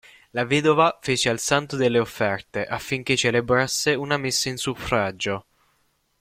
La vedova fece al santo delle offerte, affinché celebrasse una messa in suffragio.